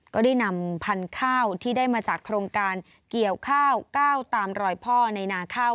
ก็ได้นำพันธุ์ข้าวที่ได้มาจากโครงการเกี่ยวข้าวก้าวตามรอยพ่อในนาข้าว